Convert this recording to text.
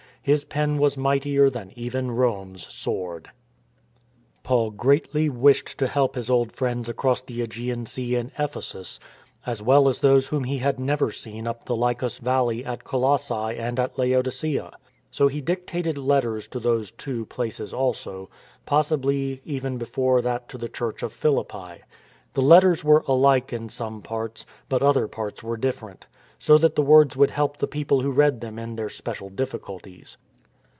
His pen was mightier than even Rome's sword. Paul greatly wished to help his old friends across the ^gean Sea in Ephesus, as well as those whom he had never seen up the Lycus Valley at Colossse and at Laodicea. So he dictated letters to those two ^ places also, possibly even before that to the church of Philippi. The letters were alike in some parts; but other parts were different, so that the words would help the people who read them in their special difficul ties.